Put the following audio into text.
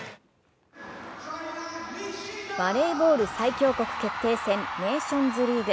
バレーボール最強国決定戦ネーションズリーグ。